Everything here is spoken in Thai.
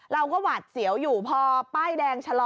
เราก็วาดเสี่ยวอยู่พอป้ายแดงชะลอ